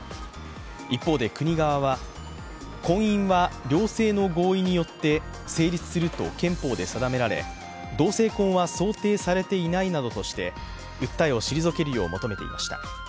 一方で国側は、婚姻は両性の合意によって成立すると憲法で定められ同性婚は想定されていないなどとして訴えを退けるよう求めていました。